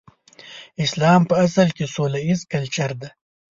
اسلام په اصل کې سوله ييز کلچر دی.